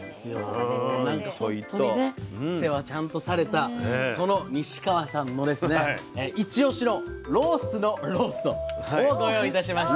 なんかほんとにね世話ちゃんとされたその西川さんのですね一押しのロースのローストをご用意いたしました。